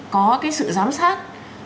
có cái sự giám sát